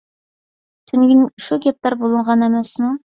تۈنۈگۈن شۇ گەپلەر بولۇنغان ئەمەسمۇ.